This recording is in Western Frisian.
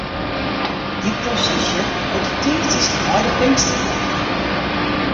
Dy prosesje wurdt de tiisdeis nei de Pinkster holden.